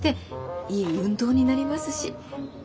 いい運動になりますし。